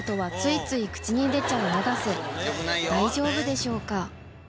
大丈夫でしょうか？